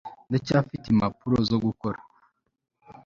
ndacyafite impapuro zo gukora